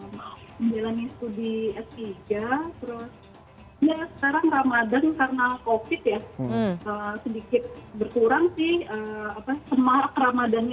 menjalani studi s tiga terus ya sekarang ramadhan karena covid ya sedikit berkurang sih semarak ramadan